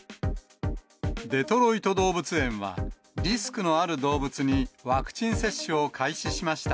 デトロイト動物園は、リスクのある動物にワクチン接種を開始しました。